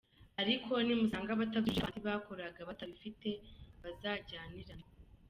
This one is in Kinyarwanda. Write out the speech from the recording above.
Ariko nimusanga batabyujuje na ba bandi bakoraga batabifite, bazajyanirane.